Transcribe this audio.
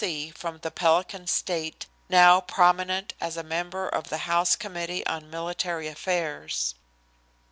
C. from the Pelican State, now prominent as a member of the House Committee on Military Affairs.